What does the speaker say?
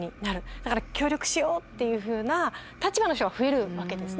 だから協力しようっていうふうな立場の人が増えるわけですね。